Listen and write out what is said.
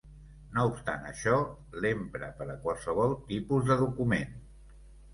No obstant això, l'empre per a qualsevol tipus de document.